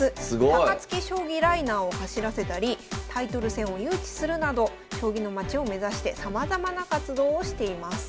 高槻将棋ライナーを走らせたりタイトル戦を誘致するなど将棋のまちを目指してさまざまな活動をしています。